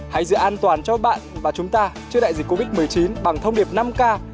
hãy giữ an toàn cho bạn và chúng ta trước đại dịch covid một mươi chín bằng thông điệp năm k